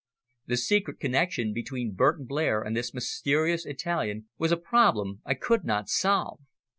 The secret connexion between Burton Blair and this mysterious Italian was a problem I could not solve.